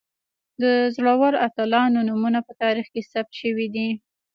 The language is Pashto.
د زړورو اتلانو نومونه په تاریخ کې ثبت شوي دي.